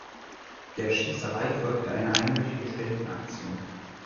Der Schießerei folgte eine einwöchige Spendenaktion.